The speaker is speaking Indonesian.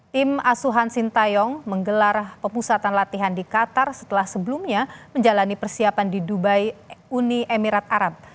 tim asuhan sintayong menggelar pemusatan latihan di qatar setelah sebelumnya menjalani persiapan di dubai uni emirat arab